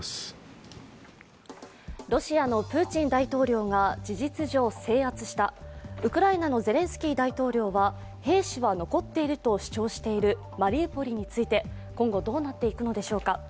ロシアのプーチン大統領が事実上制圧した、ウクライナのゼレンスキー大統領は兵士は残っていると主張しているマリウポリについて今後どうなっていくのでしょうか。